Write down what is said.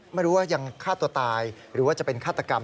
ไม่รู้ว่ายังฆ่าตัวตายหรือว่าจะเป็นฆาตกรรม